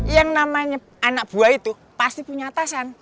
yang namanya anak buah itu pasti punya atasan